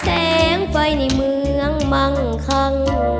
แสงไฟในเมืองมั่งคัง